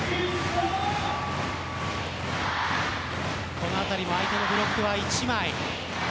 このあたりも相手のブロックは１枚。